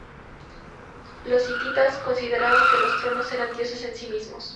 Los hititas consideraban que los tronos eran dioses en sí mismos.